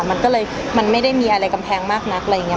มันก็เลยมันไม่ได้มีอะไรกำแพงมากนักอะไรอย่างนี้